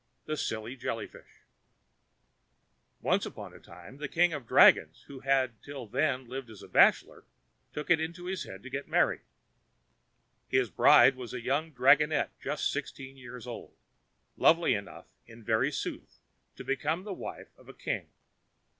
The Silly Jelly Fish Once upon a time the king of the dragons, who had till then lived as a bachelor, took it into his head to get married. His bride was a young dragonette just sixteen years old—lovely enough, in very sooth, to become the wife of a king.